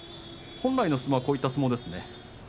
本来の相撲はこういった相撲ですね。